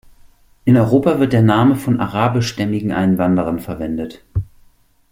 In Europa wird der Name von arabischstämmigen Einwanderern verwendet.